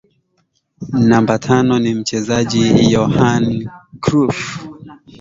Namba tano ni mchezaji Yohan Cruyff